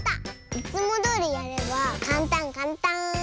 いつもどおりやればかんたんかんたん。